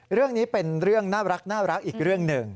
เรื่องนี้เป็นเรื่องน่ารักอีกเรื่องหนึ่ง